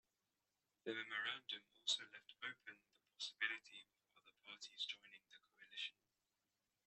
The memorandum also left open the possibility of other parties joining the coalition.